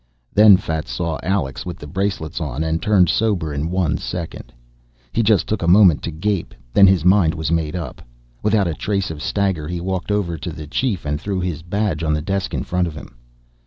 Then Fats saw Alex with the bracelets on and turned sober in one second. He just took a moment to gape, then his mind was made up. Without a trace of a stagger he walked over to the Chief and threw his badge on the desk in front of him.